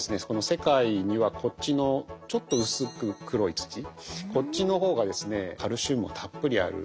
世界にはこっちのちょっと薄く黒い土こっちの方がですねカルシウムもたっぷりある。